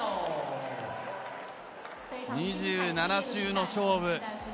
２７周の勝負。